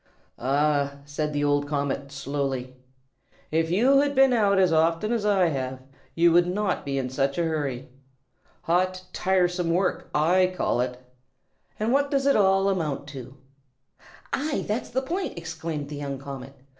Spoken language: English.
"Ah!" said the old comet, slowly, "if you had been out as often as I have, you would not be in such a hurry. Hot, tiresome work, I call it. And what does it all amount to?" "Ay, that's the point!" exclaimed the young comet.